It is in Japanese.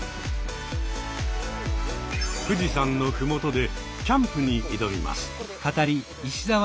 富士山の麓でキャンプに挑みます。